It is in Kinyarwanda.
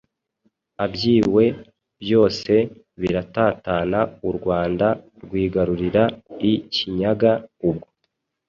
abyiwe byose biratatana u Rwanda rwigarurira i kinyaga ubwo